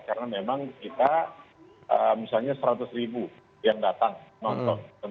karena memang kita misalnya seratus ribu yang datang nonton